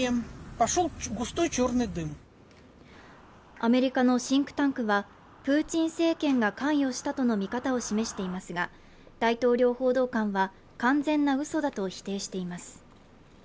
アメリカのシンクタンクはプーチン政権が関与したとの見方を示していますが大統領報道官は完全な嘘だと否定しています